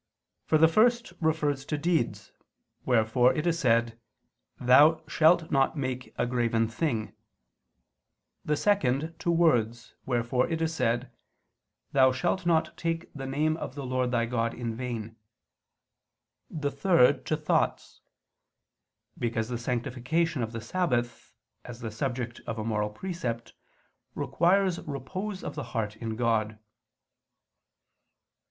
For the first refers to deeds; wherefore it is said, "Thou shalt not make ... a graven thing": the second, to words; wherefore it is said, "Thou shalt not take the name of the Lord thy God in vain": the third, to thoughts; because the sanctification of the Sabbath, as the subject of a moral precept, requires repose of the heart in God.